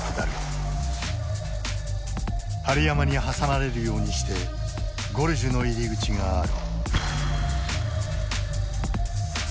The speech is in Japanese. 針山に挟まれるようにしてゴルジュの入り口がある。